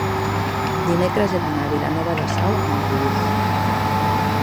dimecres he d'anar a Vilanova de Sau amb autobús.